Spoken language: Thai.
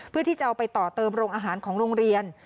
เพื่อที่จะเอาไปต่อเติมโรงอาหารของโรงเรียน